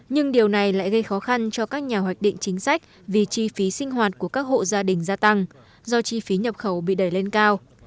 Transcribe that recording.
nhưng điều này lại gây khó khăn cho các nhà hoạch định chính sách vì chi phí sinh hoạt của các hộ gia đình gia tăng do chi phí nhập khẩu bị đẩy lên cao